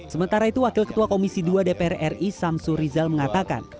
sementara itu wakil ketua komisi dua dpr ri samsur rizal mengatakan